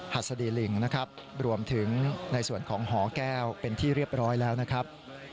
หัสดีลิงนะครับรวมถึงในส่วนของหอแก้วเป็นที่เรียบร้อยแล้วนะครับ